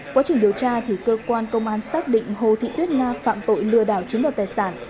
quá trình điều tra thì cơ quan công an xác định hồ thị tuyết nga phạm tội lừa đảo chiếm đoạt tài sản